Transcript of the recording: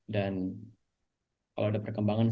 dan kalau ada perkembangan